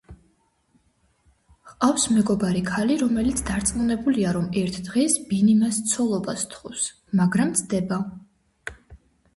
ჰყავს მეგობარი ქალი, რომელიც დარწმუნებულია, რომ ერთ დღეს ბინი მას ცოლობას სთხოვს, მაგრამ ცდება.